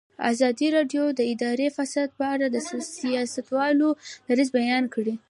ازادي راډیو د اداري فساد په اړه د سیاستوالو دریځ بیان کړی.